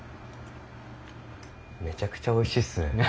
めちゃくちゃおいしいっすね。